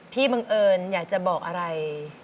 บังเอิญอยากจะบอกอะไร